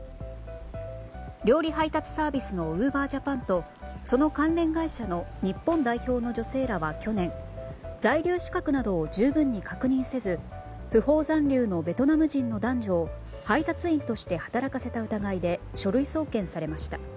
料理配達サービスのウーバージャパンとその関連会社の日本代表の女性らは去年在留資格などを十分に確認せず不法残留のベトナム人の男女を配達員として働かせた疑いで書類送検されました。